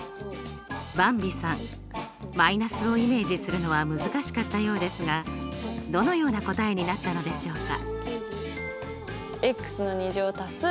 ばんびさん−をイメージするのは難しかったようですがどのような答えになったのでしょうか？